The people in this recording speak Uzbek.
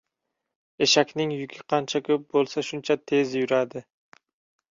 • Eshakning yuki qancha ko‘p bo‘lsa, shuncha tez yuradi.